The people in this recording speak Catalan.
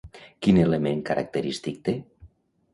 Quin element característic té?